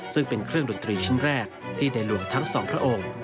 ซึ่งเป็นเครื่องดนตรีชิ้นแรกที่ในหลวงทั้งสองพระองค์